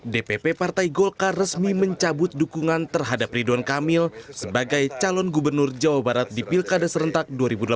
dpp partai golkar resmi mencabut dukungan terhadap ridwan kamil sebagai calon gubernur jawa barat di pilkada serentak dua ribu delapan belas